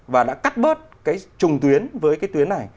và đã cắt bớt cái trùng tuyến với cái tuyến này